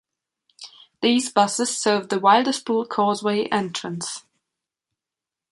These buses serve the Wilderspool Causeway entrance.